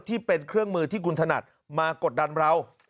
ที่เป็นเครื่องมือที่คุณถนัดมากดดันเรา